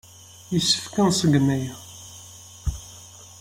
Yessefk ad nṣeggem aya.